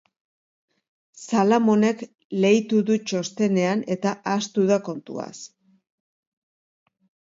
Salamonek leitu du txostenean eta ahaztu da kontuaz.